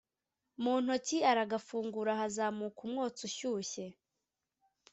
muntoki aragafungura hazamuka umwotsi ushyushye